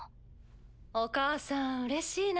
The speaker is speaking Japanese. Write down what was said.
お母さんうれしいな。